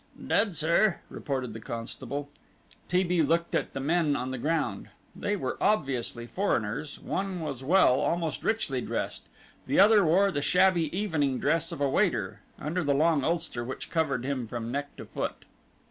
"Dead, sir," reported the constable. T. B. looked at the men on the ground. They were obviously foreigners. One was well, almost richly dressed; the other wore the shabby evening dress of a waiter, under the long ulster which covered him from neck to foot.